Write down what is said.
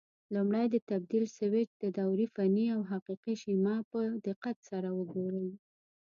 لومړی د تبدیل سویچ د دورې فني او حقیقي شیما په دقت سره وګورئ.